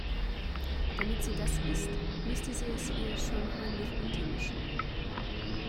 Damit sie das isst, müsste sie es ihr schon heimlich untermischen.